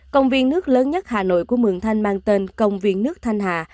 công viên nước lớn nhất hà nội của mường thanh mang tên công viên nước thanh hà